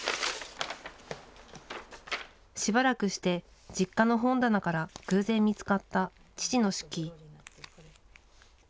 しばらくして、実家の本棚から偶然見つかった父の手記。